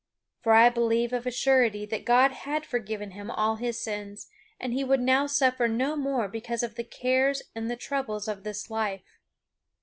For I believe of a surety that God had forgiven him all his sins, and he would now suffer no more because of the cares and the troubles of this life.